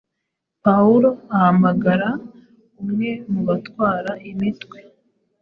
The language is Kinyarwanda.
Pawulo ahamagara umwe mu batwara imitwe,